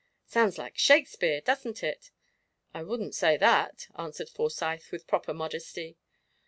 "Sounds like Shakespeare, doesn't it?" "I wouldn't say that," answered Forsyth, with proper modesty.